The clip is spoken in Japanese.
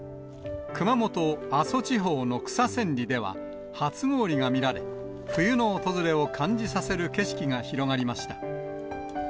熊本・阿蘇地方の草千里では、初氷が見られ、冬の訪れを感じさせる景色が広がりました。